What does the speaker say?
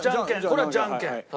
これはじゃんけん。